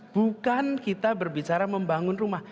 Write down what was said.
bukan kita berbicara membangun rumah